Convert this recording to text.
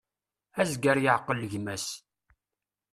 Azger yeεqel gma-s.